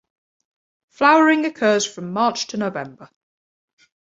Flowering occurs from March to November.